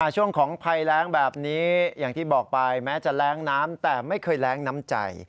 ช่วงของภัยแรงแบบนี้อย่างที่บอกไปแม้จะแรงน้ำแต่ไม่เคยแรงน้ำใจ